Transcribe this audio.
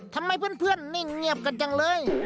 ทำไมเพื่อนนิ่งเงียบกันจังเลย